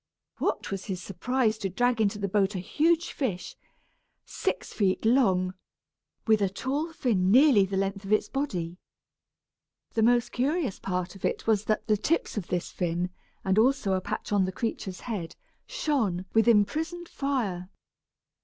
What was his surprise to drag into the boat a huge fish, six feet long, with a tall fin nearly the length of its body. The most curious part of it was that the tips of this fin, and also a patch on the creature's head, shone with imprisoned fire.